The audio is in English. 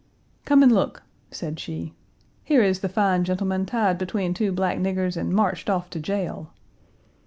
"Come and look," said she. "Here is the fine gentleman tied between two black niggers and marched off to jail."